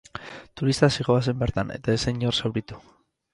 Turistak zihoazen bertan, eta ez zen inor zauritu.